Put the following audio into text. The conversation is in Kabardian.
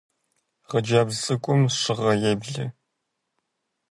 Хъыджэбз цӀыкӀум щыгъэ еблэ.